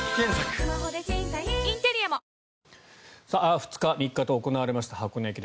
２日３日と行われました箱根駅伝。